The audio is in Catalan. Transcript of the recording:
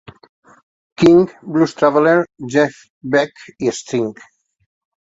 King, Blues Traveler, Jeff Beck i Sting.